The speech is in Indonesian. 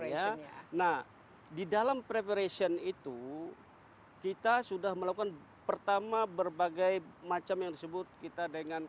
ya nah di dalam preparation itu kita sudah melakukan pertama berbagai macam yang disebut kita dengan